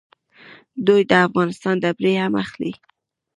دوی د افغانستان ډبرې هم اخلي.